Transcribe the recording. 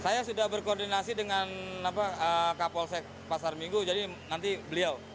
saya sudah berkoordinasi dengan kapolsek pasar minggu jadi nanti beliau